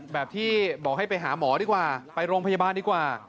แบบที่บอกให้ไปหาหมอดีกว่าไปโรงพยาบาลดีกว่า